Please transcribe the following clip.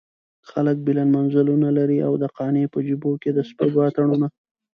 خلک بلند منزلونه لري او د قانع په جيب کې د سپږو اتڼونه.